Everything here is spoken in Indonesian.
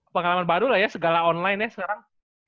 pengalaman baru lah ya segala online ya sekarang